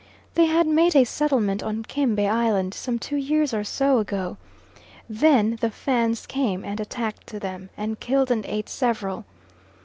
They had made a settlement on Kembe Island some two years or so ago. Then the Fans came and attacked them, and killed and ate several.